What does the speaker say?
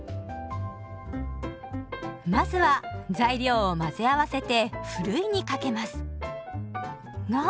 まずは材料を混ぜ合わせてふるいにかけますが。